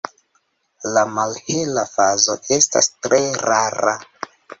La malhela fazo estas tre rara.